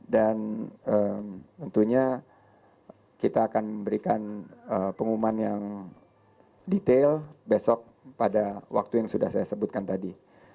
tentunya kita akan memberikan pengumuman yang detail besok pada waktu yang sudah saya sebutkan tadi